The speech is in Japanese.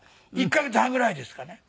１カ月半ぐらいですかね。